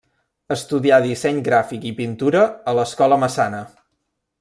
Estudià disseny gràfic i pintura a l'Escola Massana.